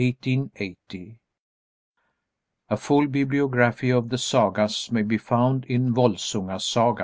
_ (A full bibliography of the Sagas may be found in "Volsunga Saga.")